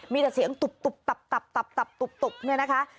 มีแต่เสียงตุบตุบตับตับตับตุบตุบเนี่ยนะคะ